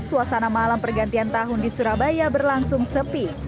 suasana malam pergantian tahun di surabaya berlangsung sepi